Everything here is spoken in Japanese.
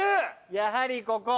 やはりここ。